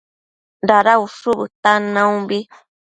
Dada ushu bëtan naumbi